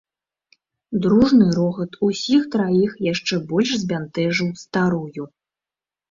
Дружны рогат усіх траіх яшчэ больш збянтэжыў старую.